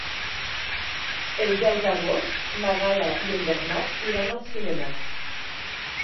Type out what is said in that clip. El deu d'agost na Gal·la i en Bernat iran al cinema.